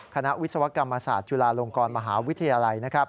วิศวกรรมศาสตร์จุฬาลงกรมหาวิทยาลัย